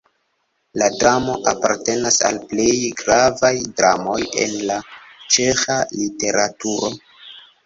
La dramo apartenas al plej gravaj dramoj en la ĉeĥa literaturo.